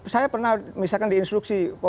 saya pernah misalkan di instruksi